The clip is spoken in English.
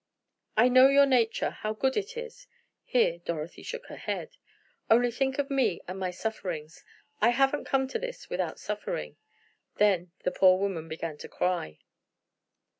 "I know your nature, how good it is." Here Dorothy shook her head. "Only think of me and of my sufferings! I haven't come to this without suffering." Then the poor woman began to cry.